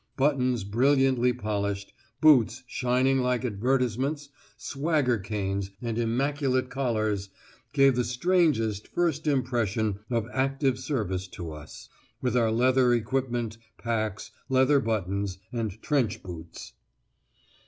Buttons brilliantly polished, boots shining like advertisements, swagger canes, and immaculate collars, gave the strangest first impression of "active service" to us, with our leather equipment, packs, leather buttons, and trench boots!